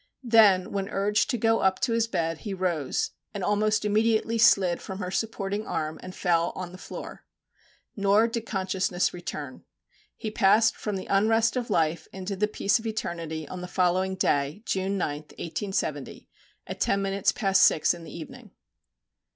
Then, when urged to go up to his bed, he rose, and, almost immediately, slid from her supporting arm, and fell on the floor. Nor did consciousness return. He passed from the unrest of life into the peace of eternity on the following day, June 9, 1870, at ten minutes past six in the evening.